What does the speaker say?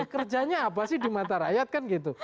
kerjanya apa sih di mata rakyat kan gitu